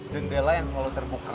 jendela yang selalu terbuka